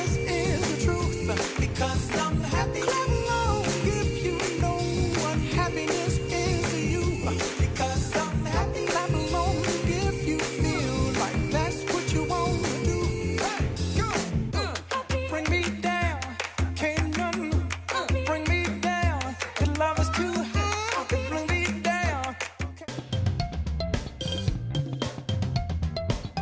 สวัสดีครับทุกคน